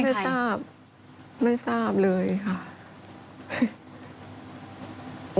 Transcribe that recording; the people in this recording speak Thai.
อันนี้แม่ไม่ทราบไม่ทราบเลยค่ะคือเขาเป็นใคร